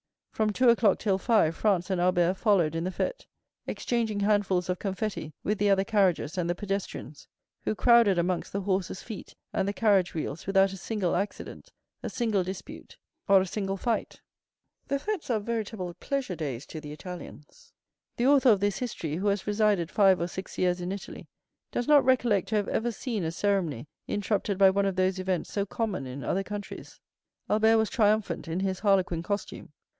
From two o'clock till five Franz and Albert followed in the fête, exchanging handfuls of confetti with the other carriages and the pedestrians, who crowded amongst the horses' feet and the carriage wheels without a single accident, a single dispute, or a single fight. The fêtes are veritable pleasure days to the Italians. The author of this history, who has resided five or six years in Italy, does not recollect to have ever seen a ceremony interrupted by one of those events so common in other countries. Albert was triumphant in his harlequin costume.